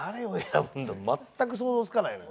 全く想像つかないのよ。